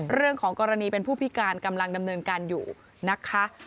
เรื่องของกรณีเป็นผู้พิการกำลังดำเนินการอยู่นะคะ